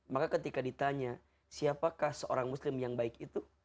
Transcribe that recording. maka ketika ditanya siapakah seorang muslim yang baik itu